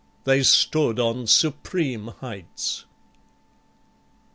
They stood on supreme heights.